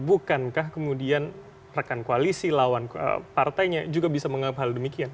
bukankah kemudian rekan koalisi lawan partainya juga bisa menganggap hal demikian